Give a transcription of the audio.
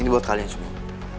ini buat kalian semua